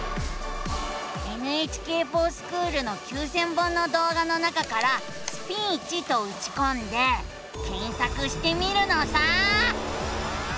「ＮＨＫｆｏｒＳｃｈｏｏｌ」の９，０００本の動画の中から「スピーチ」とうちこんで検索してみるのさ！